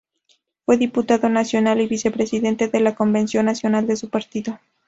Fue diputado nacional y vicepresidente de la Convención Nacional de su partido.